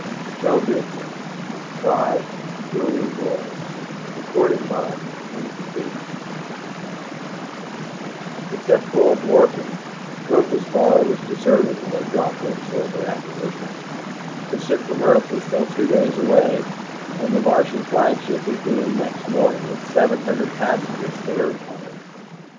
_ SHOW BUSINESS By Boyd Ellanby Illustrated by Mel Hunter Except for old Dworken, Kotha's bar was deserted when I dropped in shortly after midnight. The ship from Earth was still two days away, and the Martian flagship would get in next morning, with seven hundred passengers for Earth on it.